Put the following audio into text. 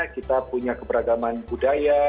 kita punya keberagaman budaya